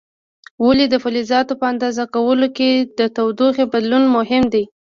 ولې د فلزاتو په اندازه کولو کې د تودوخې بدلون مهم دی؟